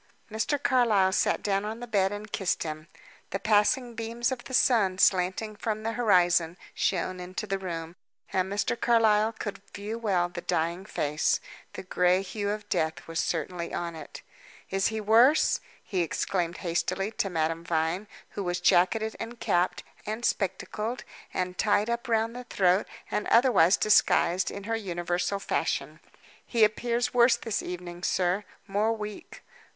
Mr. Carlyle sat down on the bed and kissed him. The passing beams of the sun, slanting from the horizon, shone into the room, and Mr. Carlyle could view well the dying face. The gray hue of death was certainly on it. "Is he worse?" he exclaimed hastily, to Madame Vine, who was jacketed, and capped, and spectacled, and tied up round the throat, and otherwise disguised, in her universal fashion. "He appears worse this evening, sir more weak."